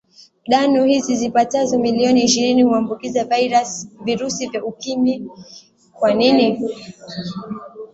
dano hizi zipatazo milioni ishirini huambukiza virusi vya ukimwi kwa nini